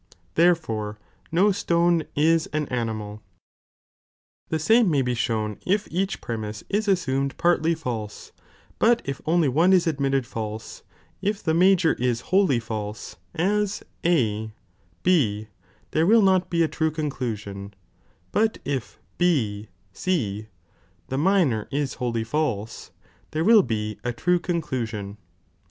f The same may be shown if each pre mise is assumed partly false, but if only one ia admitted false, if the major ia wholly false, aa A B, there will not be a true conclusion, but if B C, (the minor is wholly 3. imtinwot fsise,) there wiU be (a true conclusion).